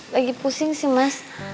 lagi pusing sih mas